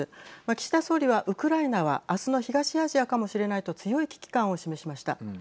岸田総理は、ウクライナはあすの東アジアかもしれないと強い危機感を示しました。